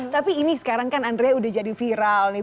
tapi ini sekarang kan andrea udah jadi viral nih